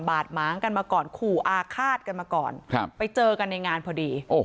ดหมางกันมาก่อนขู่อาฆาตกันมาก่อนไปเจอกันในงานพอดี